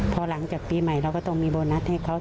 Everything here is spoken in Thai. พอหลังจากปีใหม่เราก็ต้องมีโบนัสให้เขา